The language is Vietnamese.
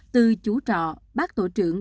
từ chú trọ bác tổ trưởng